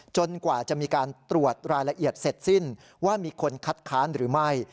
กว่าจะมีการตรวจรายละเอียดเสร็จสิ้นว่ามีคนคัดค้านหรือไม่